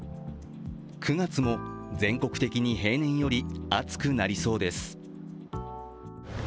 ９月も全国的に平年より暑くなりそうです。